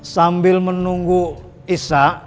sambil menunggu isa